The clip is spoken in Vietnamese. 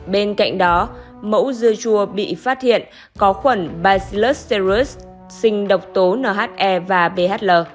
bên cạnh đó mẫu dưa chua bị phát hiện có khuẩn bacillus cereus sinh độc tố nhe và bhl